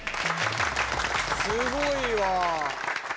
すごいわ。